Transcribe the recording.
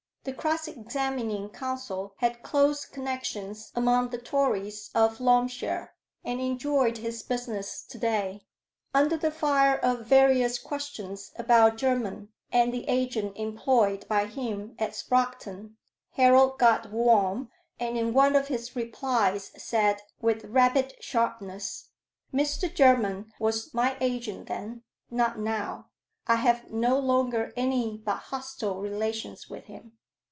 The cross examining counsel had close connections among the Tories of Loamshire, and enjoyed his business to day. Under the fire of various questions about Jermyn and the agent employed by him at Sproxton, Harold got warm, and in one of his replies said, with rapid sharpness "Mr. Jermyn was my agent then, not now: I have no longer any but hostile relations with him."